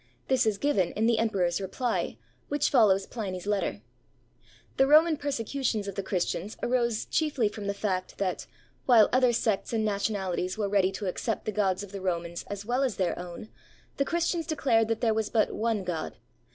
This is given in the emperor's reply, which follows Pliny's letter. The Roman persecutions of the Christians arose chiefly from the fact that, while other sects and nationalities were ready to accept the gods of the Romans as well as their own, the Christians declared that there was but one God.